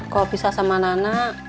kalau pisah sama nana